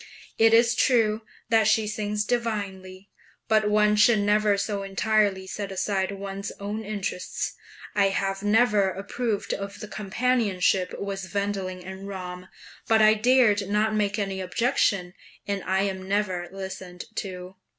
It is true that she sings divinely, but one should never so entirely set aside one's own interests. I have never approved of the companionship with Wendling and Ramm, but I dared not make any objection, and I am never listened to.